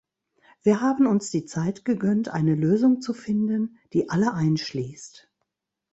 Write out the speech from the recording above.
Wir haben uns die Zeit gegönnt, eine Lösung zu finden, die alle einschließt.